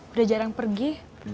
udah jarang pergi